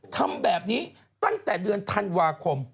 ทำแบบนี้ตั้งแต่เดือนธันวาคม